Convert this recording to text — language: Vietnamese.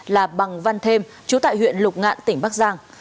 là bằng văn thêm chú tại huyện lục ngạn tỉnh bắc giang